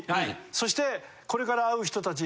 そしてこれから会う人たち